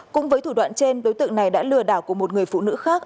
cũng với thủ đoạn trên đối tượng này đã lừa đảo của một người phụ nữ khác